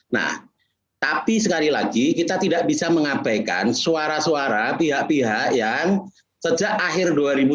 nah tapi sekali lagi kita tidak bisa mengabaikan suara suara pihak pihak yang sejak akhir dua ribu dua puluh